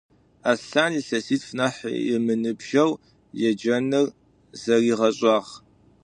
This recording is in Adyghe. Аслъан илъэситф нахь ымыныбжьэу еджэныр зэригъэшӏагъ.